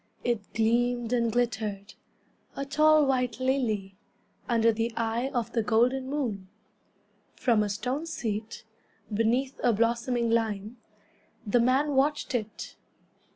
It gleamed and glittered, A tall white lily, Under the eye of the golden moon. From a stone seat, Beneath a blossoming lime, The man watched it.